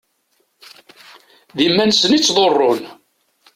D iman-nsen i ttḍurrun.